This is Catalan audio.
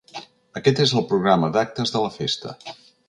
Aquest és el programa d’actes de la Festa.